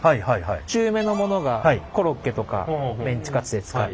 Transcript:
中めのものがコロッケとかメンチカツで使う。